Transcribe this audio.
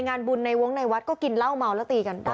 งานบุญในวงในวัดก็กินเหล้าเมาแล้วตีกันได้